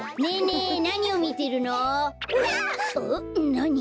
なに？